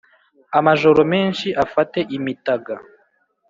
amajoro menshi afate imitaga